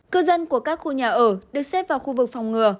cư dân của các khu nhà ở được xếp vào khu vực phòng ngừa